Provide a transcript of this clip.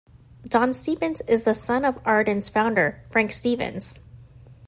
"Don" Stephens is the son of Arden's founder Frank Stephens.